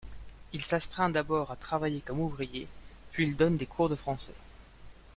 Il s'astreint d'abord à travailler comme ouvrier, puis il donne des cours de français.